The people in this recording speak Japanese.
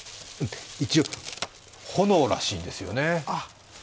一応、炎らしいんですよね。